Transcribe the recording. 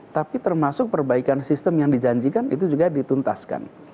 tapi termasuk perbaikan sistem yang dijanjikan itu juga dituntaskan